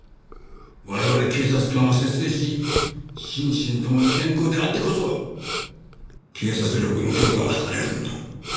我々警察官は節制し心身共に健康であってこそ警察力の強化が図れるんだ。